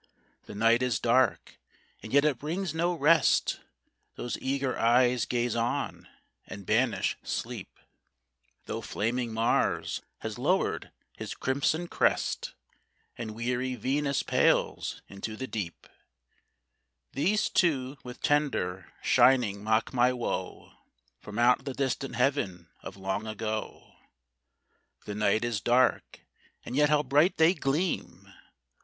The night is dark, and yet it brings no rest; Those eager eyes gaze on and banish sleep; Though flaming Mars has lower'd his crimson crest, And weary Venus pales into the deep, These two with tender shining mock my woe From out the distant heaven of long ago. The night is dark, and yet how bright they gleam!